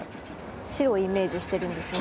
シロをイメージしてるんですね。